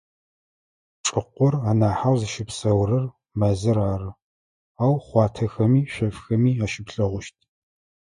Чӏыкъор анахьэу зыщыпсэурэр мэзыр ары, ау хъуатэхэми, шъофхэми ащыплъэгъущт.